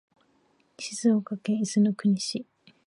静岡県伊豆の国市